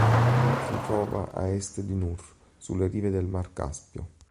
Si trova a est di Nur, sulle rive del mar Caspio.